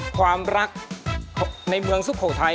ความรักในเมืองสุโขทัย